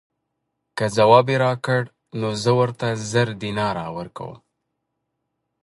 که ځواب یې راکړ نو زه ورته زر دیناره ورکووم.